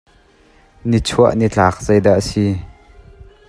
Na chuah nithla zei dah a si?